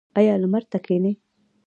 ایا لمر ته کینئ؟